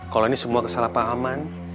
kalau ini semua kesalahpahaman